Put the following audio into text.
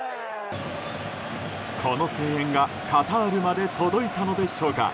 この声援がカタールまで届いたのでしょうか。